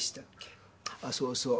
あそうそう。